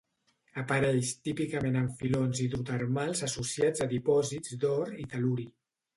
Apareix típicament en filons hidrotermals associats a dipòsits d'or i tel·luri.